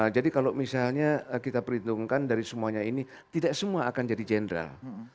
jadi kalau misalnya kita perhitungkan dari semuanya ini tidak semua akan jadi jenderal